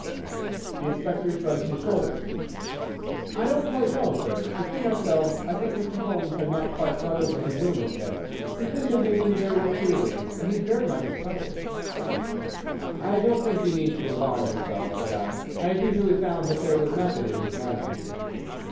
The Inspector shrugged his shoulders. "I don't quite know, sir. Between ourselves, I think Mr. Holmes had not quite got over his illness yet. He's been behaving very queerly, and he is very much excited." "I don't think you need alarm yourself," said I. "I have usually found that there was method in his madness."